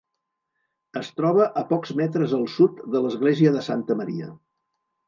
Es troba a pocs metres al sud de l'església de Santa Maria.